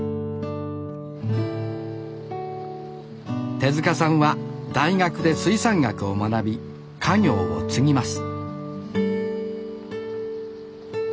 手さんは大学で水産学を学び家業を継ぎます